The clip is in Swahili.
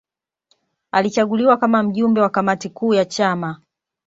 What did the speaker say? Alichaguliwa kama mjumbe wa kamati kuu ya chama